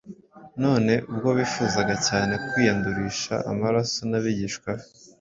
none ubwo bifuzaga cyane kwiyandurisha amaraso y’abigishwa be.